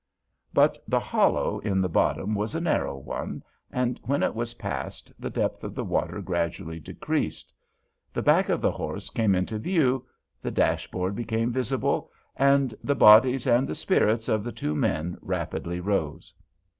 But the hollow in the bottom was a narrow one, and when it was passed the depth of the water gradually decreased. The back of the horse came into view, the dashboard became visible, and the bodies and the spirits of the two men rapidly rose.